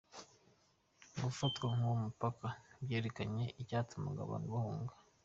Gufatwa kw’uwo mupaka, byerekanye icyatumaga abantu bahunga.